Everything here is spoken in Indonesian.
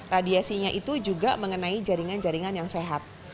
radiasinya itu juga mengenai jaringan jaringan yang sehat